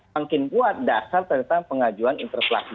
makin kuat dasar tentang pengajuan interpelasi